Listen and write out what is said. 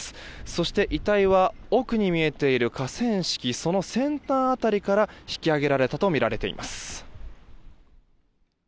そして、遺体は奥に見えている河川敷その先端辺りから引き揚げられたとみられています。